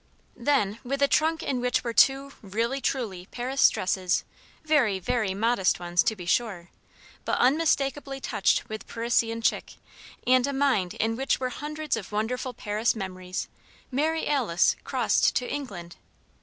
Then, with a trunk in which were two "really, truly" Paris dresses very, very modest ones, to be sure, but unmistakably touched with Parisian chic and a mind in which were hundreds of wonderful Paris memories, Mary Alice crossed to England.